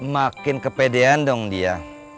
makin kepedean dong dia